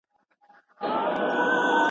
په جنگ کي يو گام د سلو کلو لاره ده.